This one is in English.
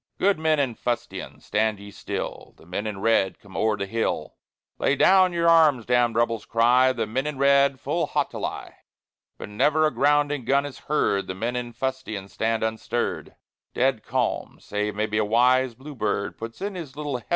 Good men in fustian, stand ye still; The men in red come o'er the hill. Lay down your arms, damned Rebels! cry The men in red full haughtily. But never a grounding gun is heard; The men in fustian stand unstirred; Dead calm, save maybe a wise bluebird Puts in his little heavenly word.